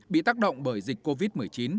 bị tác động bởi dịch covid một mươi chín